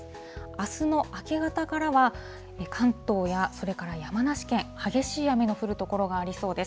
あすの明け方からは、関東や、それから山梨県、激しい雨の降る所がありそうです。